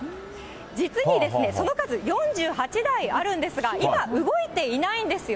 実にその数４８台あるんですが、今、動いていないんですよ。